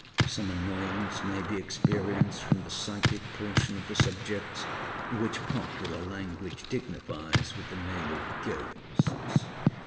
Some annoyance may be experienced from the psychic portion of the subjects, which popular language dignifies with the name of ghosts.